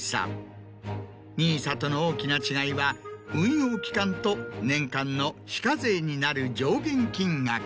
ＮＩＳＡとの大きな違いは運用期間と年間の非課税になる上限金額。